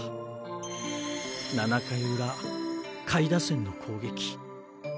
７回裏下位打線の攻撃。